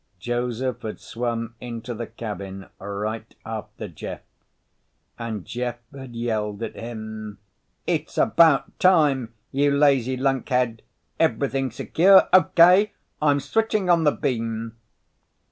Joseph had swum into the cabin right after Jeff. And Jeff had yelled at him. "It's about time, you lazy lunkhead! Everything secure? Okay, I'm switching on the beam!"